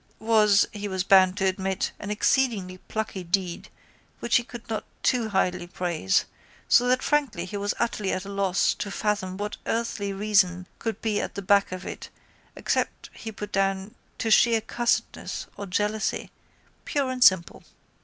was, he was bound to admit, an exceedingly plucky deed which he could not too highly praise, so that frankly he was utterly at a loss to fathom what earthly reason could be at the back of it except he put it down to sheer cussedness or jealousy, pure and simple.